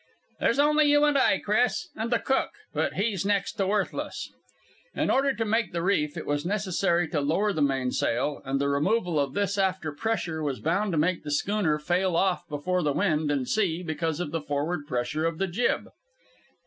"There's only you and I, Chris and the cook; but he's next to worthless!" In order to make the reef, it was necessary to lower the mainsail, and the removal of this after pressure was bound to make the schooner fall off before the wind and sea because of the forward pressure of the jib.